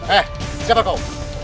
eh siapa kau